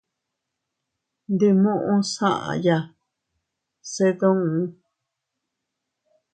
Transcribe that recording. Ndi muʼus aʼaya se duun.